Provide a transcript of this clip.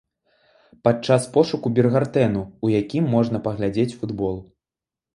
Падчас пошуку біргартэну, у якім можна паглядзець футбол.